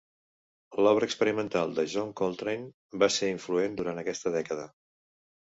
L'obra experimental de John Coltrane va ser influent durant aquesta dècada.